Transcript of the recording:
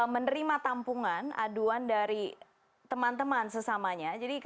menerima tampungan aduan dari teman teman sesamanya